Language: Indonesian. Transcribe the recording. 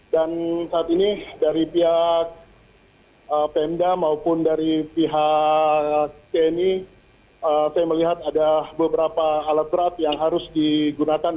dan saat ini dari pihak pmdam maupun dari pihak tni saya melihat ada beberapa alat berat yang harus digunakan